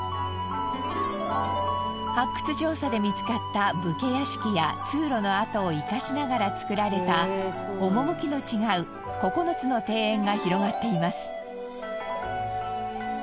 発掘調査で見つかった武家屋敷や通路の跡を生かしながら造られた趣の違う９つの庭園が広がっています。